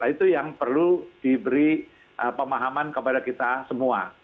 itu yang perlu diberi pemahaman kepada kita semua